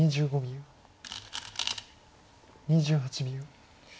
２８秒。